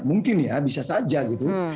mungkin ya bisa saja gitu